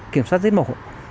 kiểm soát giết mổ